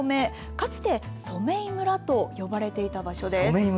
かつて染井村と呼ばれていた場所です。